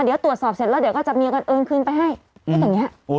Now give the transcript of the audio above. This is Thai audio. เดี๋ยวตรวจสอบเสร็จแล้วเดี๋ยวก็จับเมียกันเอิญคืนไปให้ให้ตรงเนี้ยโอ้